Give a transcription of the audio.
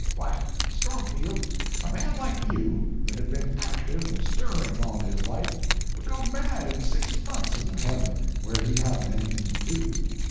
Why, Stormfield, a man like you, that had been active and stirring all his life, would go mad in six months in a heaven where he hadn't anything to do.